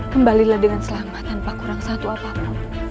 kembalilah dengan selamat tanpa kurang satu apapun